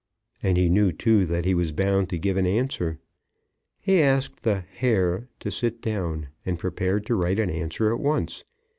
And he knew, too, that he was bound to give an answer. He asked the "Herr" to sit down, and prepared to write an answer at once.